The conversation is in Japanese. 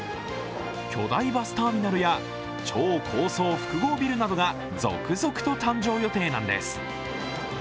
巨大バスターミナルや超高層複合ビルなどが続々と誕生予定なんです。